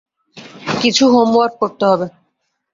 কিছু হোমওয়ার্ক করতে হবে।